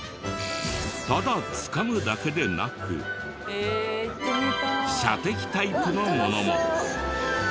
ただ掴むだけでなく射的タイプのものも。